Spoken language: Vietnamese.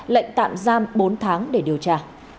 lệnh tạm giam bốn tháng để điều tra